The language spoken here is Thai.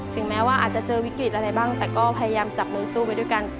แม้ว่าอาจจะเจอวิกฤตอะไรบ้างแต่ก็พยายามจับมือสู้ไปด้วยกัน